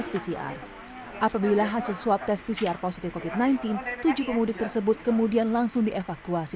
pcr apabila hasil swab tes pcr positif covid sembilan belas tujuh pemudik tersebut kemudian langsung dievakuasi